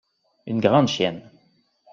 Une grande chienne.